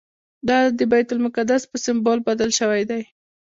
دا د بیت المقدس په سمبول بدل شوی دی.